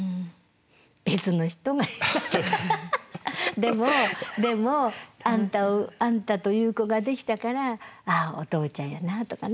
でも「でもあんたという子ができたからああお父ちゃんやな」とかね。